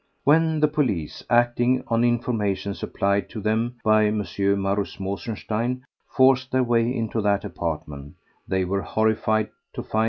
When the police—acting on information supplied to them by M. Mauruss Mosenstein—forced their way into that apartment, they were horrified to find M.